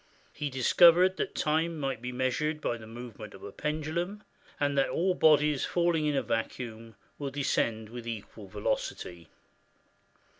He discovered that time might be measured by the movement of a pendulum, and that all bodies falling in a vacuum will descend with equal velocity.